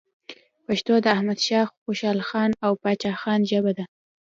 پښتو د احمد شاه خوشحالخان او پاچا خان ژبه ده.